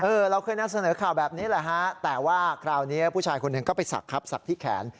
เราเคยนำเสนอข่าวแบบนี้แหละฮะแต่ว่าคราวนี้ผู้ชายคนหนึ่งก็ไปสักครับศักดิ์ที่แขน